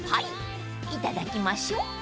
［いただきましょう］